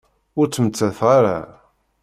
Ur ttmettateɣ ara.